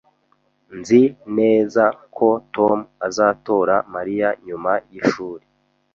Nzi neza ko Tom azatora Mariya nyuma yishuri